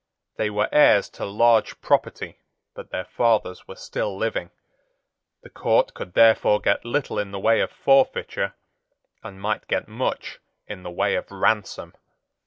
They were heirs to large property: but their fathers were still living. The court could therefore get little in the way of forfeiture, and might get much in the way of ransom.